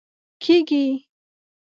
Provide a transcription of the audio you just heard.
کېږي